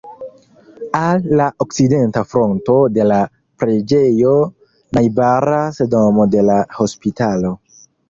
Al la okcidenta fronto de la preĝejo najbaras domo de la hospitalo.